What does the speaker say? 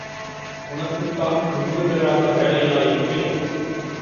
உனக்குத்தான் முடிவுபெறாத வேலையாயிற்றே!